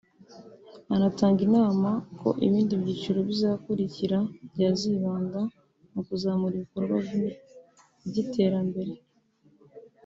anatanga inama ko ibindi byiciro bizakurikira byazibanda mu kuzamura ibikorwa by’iterambere